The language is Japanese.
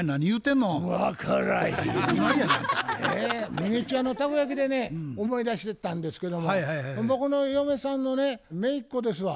ミニチュアのたこ焼きでね思い出したんですけども僕の嫁さんのねめいっ子ですわ。